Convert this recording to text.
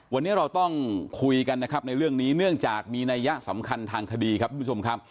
วันนี้เราต้องคุยกันนะครับในเรื่องนี้เนื่องจากมีนัยยะสำคัญทางคดีครับทุกผู้ชมครับ